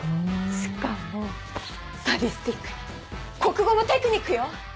しかもサディスティックに「国語もテクニックよ！」。